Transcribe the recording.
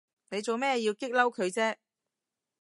你做乜要激嬲佢啫？